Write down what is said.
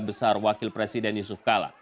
besar wakil presiden yusuf kala